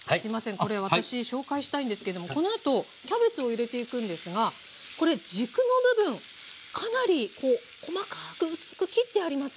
これ私紹介したいんですけれどもこのあとキャベツを入れていくんですがこれ軸の部分かなり細かく薄く切ってあります。